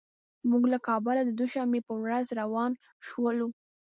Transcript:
موږ له کابله د دوشنبې په ورځ روان شولو.